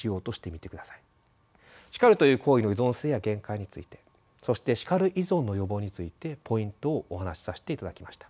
叱るという行為の依存性や限界についてそして「叱る依存」の予防についてポイントをお話しさせていただきました。